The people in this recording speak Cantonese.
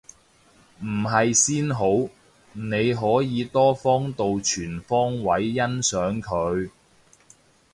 唔係先好，你可以多方度全方位欣賞佢